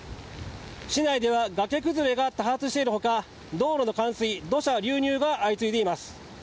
市内では崖崩れが多発している他道路の冠水、土砂流入が相次いでいます。